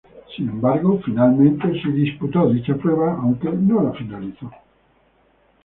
Sin embargo finalmente si disputó dicha prueba aunque no la finalizó.